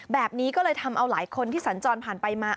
แบบนี้ก็เลยทำเอาหลายคนที่สัญจรผ่านไปมา